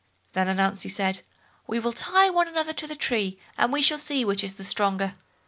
Then Ananzi said, "We will tie one another to the tree and we shall see which is the stronger."